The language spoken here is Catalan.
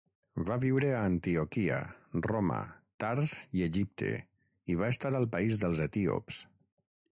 Va viure a Antioquia, Roma, Tars i Egipte i va estar al país dels etíops.